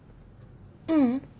ううん。